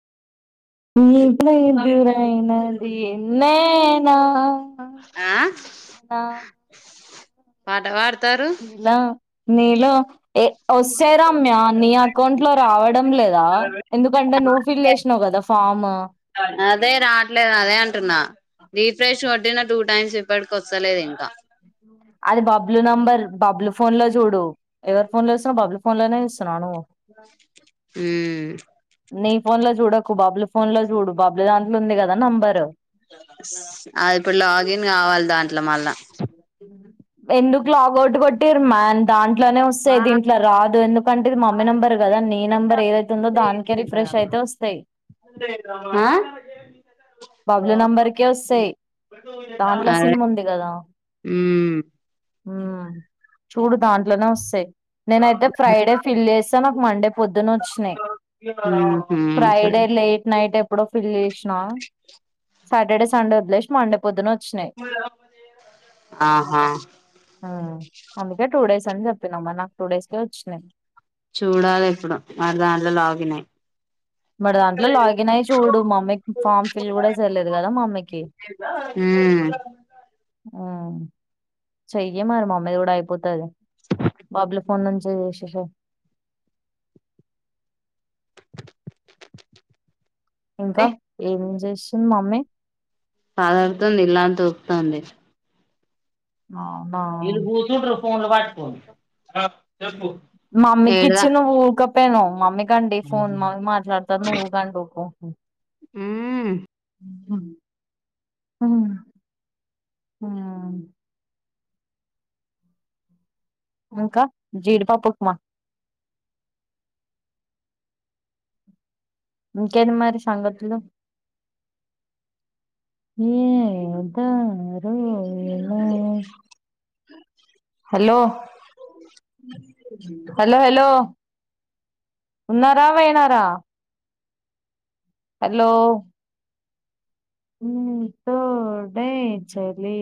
ఎడ్లు ఎదురయినది నేనా ఆ నా పాట పాడు ఇలా నీలో ఏ ఒస్సే రమ్య నీ అకౌంట్ లో రావడం లేదా ఎందుకంటే నువ్వు ఫిల్ చేసినావు కదా ఫామ్ అదే రావట్లేదు అదే అంటున్నా రీఫ్రెష్ కొట్టినా టూ టైమ్స్ ఇప్పటికి వత్తలేదు ఇంకా అది బబ్లు నంబర్ బబ్లు ఫోన్ లో చూడు ఎవరు ఫోన్ లో స్ బబ్లూ మొన్ననే స్ హుమ్ నీ ఫోన్ లో చూడకు బబ్లూ ఫోన్ లో చూడు బబ్లూ దాంట్లో ఉంది కదా నంబర్ అది ఇప్పుడు లాగిన్ గావాలి దాంట్లో మళ్ళా ఎందుకు లాగౌట్ కొట్టిర్ మా దాన్ దింట్లేనే వస్తాయ్ వా దీంట్లో రాదు ఎందుకంటే ఇది మమ్మీ నెంబర్ కదా నీ నెంబర్ ఏదైతే ఉందో దానికే అప్పుడు రిఫ్రెష్ అయితే వస్తాయ్ బబ్లు నెంబర్కే వస్తాయ్ దాంట్లో సిమ్ ఉంది కదా హుమ్ హుమ్ చూడు దాంట్లోనే వస్తాయ్ నేనైతే ఫ్రైడే ఫిల్ చేస నాకు మండే పొద్దున వచ్చాయి ఉమ్ ఉహు సరే ఫ్రైడే లేట్ నైట్ ఎప్పుడో ఫిల్ చేసినా సాటర్డే సండే వద్లేష్ మండే పొద్దున క్షనై ఆహా ఉ అందుకే టూ డేస్ అని చెప్పినామ్మా నాకు టూ డేస్ కే వచ్చినాయి చూడాలి ఇప్పుడు మరి దాంట్లో లాగినై మరి దాంట్లో లాగిన్ అయి చూడు మామ్మీకి ఫామ్ ఫిల్ కూడా చేర్లేదు కదా మమ్మీకి ఉ చెయ్యి మరి మమ్మీ ది కూడా అయిపోతది బాపుల ఫోన్ నుంచి చేసేషేయి ఇంకా రే ఏమేం చే చిన్ మమ్మే అదన్ తుంది ఇల్లా ఉపుతుంది అవునా ఇల్ కుసుంట్రు ఫోన్ లు వాట్కోనీ మమ్మి కిచ్చి నువు ఊకపెనవు మమ్మి గండి ఫోన్ మ మాట్లాడతారు నువ్వు ఉకంట ఉకు ఉ ఆ య ఇంకా జీడిపప్పు ఉప్మా ఇకెని మరి సంగతులు ఏదారు ఎలో హలో హలో హలో ఉన్నారా వెనారా హలో తోడై చలి